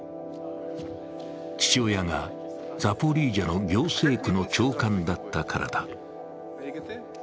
父親がザポリージャの行政区の長官だったからだ。